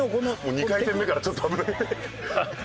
２回転目からちょっと危ない。